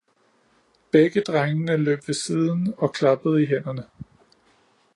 begge drengene løb ved siden og klappede i hænderne.